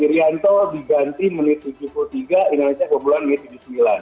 irianto diganti menit tujuh puluh tiga indonesia kebobolan menit tujuh puluh sembilan